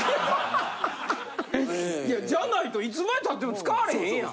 じゃないといつまでたっても使われへんやん。